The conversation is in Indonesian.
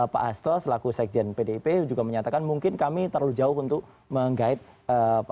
pak astro selaku sekjen pdip juga menyatakan mungkin kami terlalu jauh untuk mengait apa